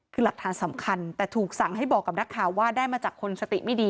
คือหลักฐานสำคัญแต่ถูกสั่งให้บอกกับนักข่าวว่าได้มาจากคนสติไม่ดี